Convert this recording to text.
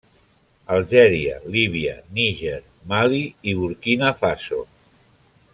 Algèria, Líbia, Níger, Mali i Burkina Faso.